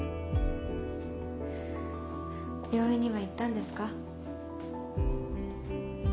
病院には行ったんですか？